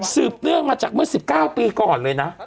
เนื่องมาจากเมื่อ๑๙ปีก่อนเลยนะ